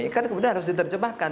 kemudian harus diterjemahkan